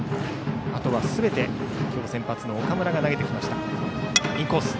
あとはすべて今日先発の岡村が投げてきました。